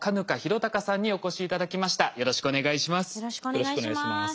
よろしくお願いします。